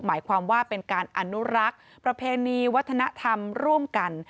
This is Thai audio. หมายความว่าเป็นการอนุรักษ์ประเพณีวัฒนธรรมร่วมกัน